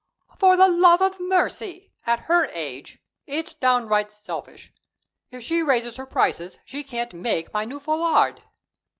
"For the love of mercy! At her age! It's downright selfish. If she raises her prices she can't make my new foulard."